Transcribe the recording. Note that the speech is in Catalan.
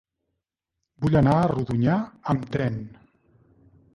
Vull anar a Rodonyà amb tren.